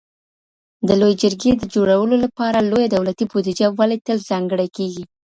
د لویې جرګي د جوړولو لپاره لویه دولتي بودیجه ولي تل ځانګړی کیږي؟